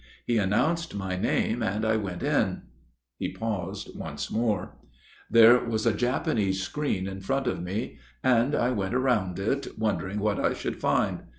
He announced my name and I went in." He paused once more. " There was a Japanese screen in front of me THE FATHER RECTOR'S STORY 81 and I went round it, wondering what I should find.